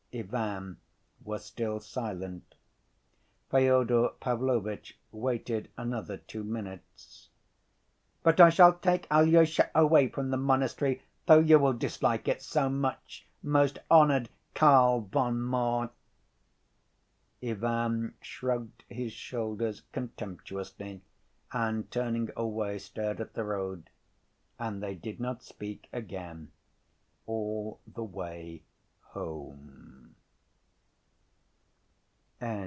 Ivan was still silent. Fyodor Pavlovitch waited another two minutes. "But I shall take Alyosha away from the monastery, though you will dislike it so much, most honored Karl von Moor." Ivan shrugged his shoulders contemptuously, and turning away stared at the road. And they did not speak again all the way home.